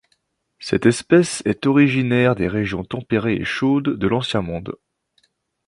Cette espèce est originaire des régions tempérées et chaudes de l'ancien monde.